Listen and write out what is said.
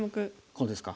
こうですか。